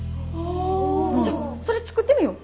じゃあそれ作ってみよう。